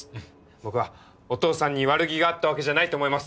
僕はお父さんに悪気があった訳じゃないと思います。